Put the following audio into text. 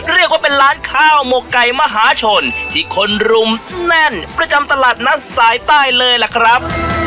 เรียกว่าเป็นร้านข้าวหมกไก่มหาชนที่คนรุมแน่นประจำตลาดนัดสายใต้เลยล่ะครับ